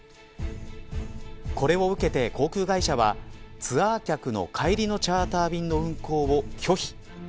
これを受けて航空会社はツアー客の帰りのチャーター便の運航を拒否。